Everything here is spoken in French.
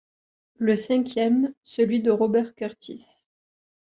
Le cinquième, celui de Robert Kurtis.